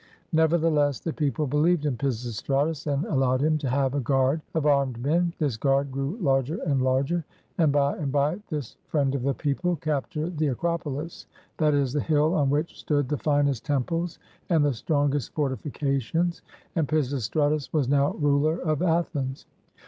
Nevertheless, the people believed in Pisistratus and allowed him to have a guard of armed men. This guard grew larger and larger, and by and by this "friend of the people" captured the Acropolis, that is, the hill on which stood the finest 59 GREECE temples and the strongest fortifications; and Pisistratus was now ruler of Athens.